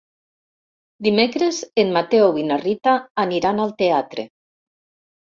Dimecres en Mateu i na Rita aniran al teatre.